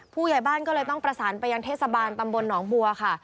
ผู้ใหญ่บ้านก็เลยต้องประสานไปยังเทศบาลตำบลหนองบัวค่ะ